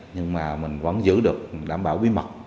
nhưng mà mình vẫn giữ được đảm bảo bí mật